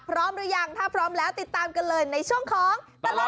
หรือยังถ้าพร้อมแล้วติดตามกันเลยในช่วงของตลอด